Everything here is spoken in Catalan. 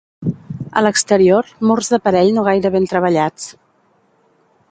A l'exterior, murs d'aparell no gaire ben treballats.